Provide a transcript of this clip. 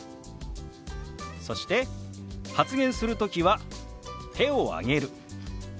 そして「発言するときは手を挙げる」。